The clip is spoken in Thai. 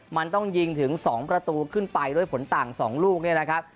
มันต้องยิงถึง๒ประตูขึ้นไปด้วยผลต่าง๒ลูกเนี่ยนะครับ